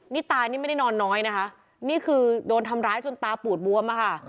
นี่ตานี่ไม่ได้นอนน้อยนะคะนี่คือโดนทำร้ายจนตาปูดบวมอะค่ะ